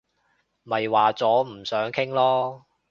咪話咗唔想傾囉